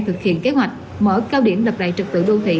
thực hiện kế hoạch mở cao điểm lập đại trực tự đô thị